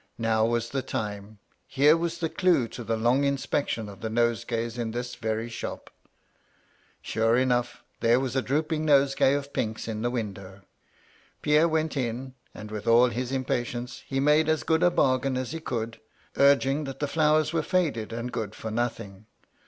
Now was the time ; here was the clue to the long inspection of the nosegay in this very shop. "Sure enough, there was a drooping nosegay of pinks in the window. Pierre went in, and, with all his impatience, he made as good a bargain as he could, urging that the flowers were faded, and good for nothing.